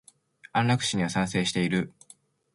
安楽死には賛成している。